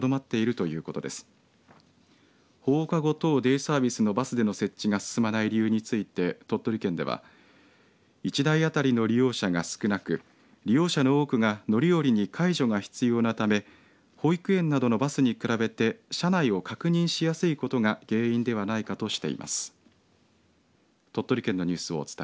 デイサービスのバスでの設置が進まない理由について鳥取県では１台当たりの利用者が少なく利用者の多くが乗り降りに介助が必要なため保育園などのバスに比べて車内を確認しやすいことが原因ではないかとしています。